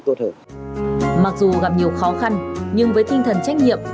mặc dù gặp nhiều khó khăn nhưng với tinh thần trách nhiệm